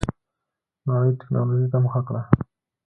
نړۍ ټيکنالوجۍ ته مخه کړه.